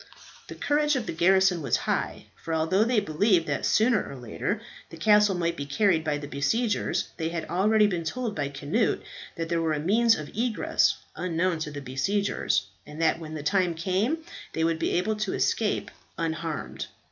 The courage of the garrison was high, for although they believed that sooner or later the castle might be carried by the besiegers, they had already been told by Cnut that there was a means of egress unknown to the besiegers, and that when the time came they would be able to escape unharmed.